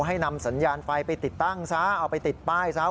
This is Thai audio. ให้นำสัญญาณไฟไปติดตั้งซะเอาไปติดป้ายซะ